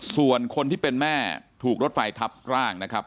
ส่วนคนที่เป็นแม่ถูกรถไฟทับร่างนะครับ